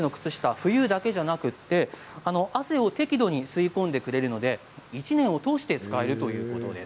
冬だけじゃなくて汗を適度に吸い込んでくれるので１年を通して使えるということです。